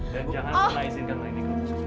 dan jangan melahizinkan lelah ini